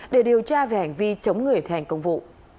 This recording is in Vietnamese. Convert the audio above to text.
để điều tra về hành vi chống người thành công vụ